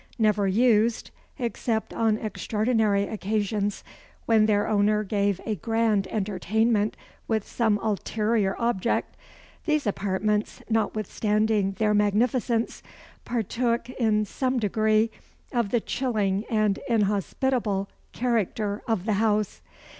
Never used, except on extraordinary occasions, when their owner gave a grand entertainment with some ulterior object, these apartments, notwithstanding their magnificence, partook in some degree of the chilling and inhospitable character of the house.